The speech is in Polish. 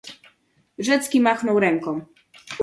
"Rzecki machnął ręką."